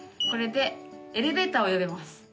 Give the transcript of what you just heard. これでエレベーターを呼べます